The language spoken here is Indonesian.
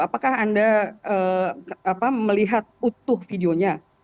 apakah anda melihat utuh videonya